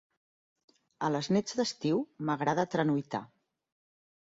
A les nits d'estiu m'agrada tranuitar.